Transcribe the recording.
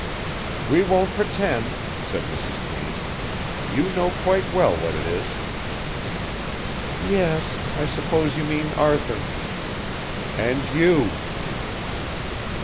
"We won't pretend," said Mrs. Payne. "You know quite well what it is." "Yes ... I suppose you mean Arthur." "And you."